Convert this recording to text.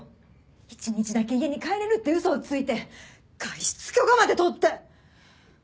一日だけ家に帰れるって嘘をついて外出許可まで取って！